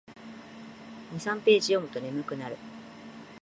二三ページ読むと眠くなる